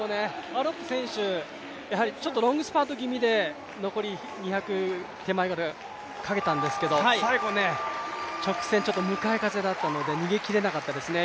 アロップ選手、ちょっとロングスパート気味で残り手前２００ぐらいでかけたんですけど最後、直線、ちょっと向かい風だったので、逃げ切れなかったですね。